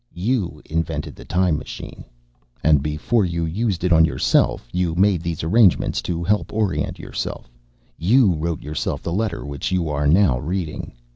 You invented the time machine. And before you used it on yourself, you made these arrangements to help you orient yourself. You wrote yourself the letter which you are now reading.